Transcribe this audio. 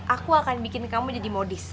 aku akan bikin kamu jadi modis